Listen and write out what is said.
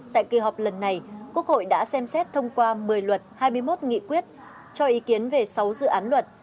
tại kỳ họp lần này quốc hội đã xem xét thông qua một mươi luật hai mươi một nghị quyết cho ý kiến về sáu dự án luật